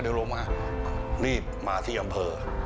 นี่มาที่อำเภอ